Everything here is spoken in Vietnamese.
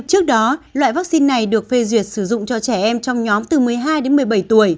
trước đó loại vaccine này được phê duyệt sử dụng cho trẻ em trong nhóm từ một mươi hai đến một mươi bảy tuổi